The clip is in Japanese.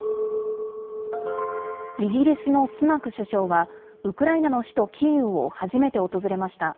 イギリスのスナク首相は、ウクライナの首都キーウを初めて訪れました。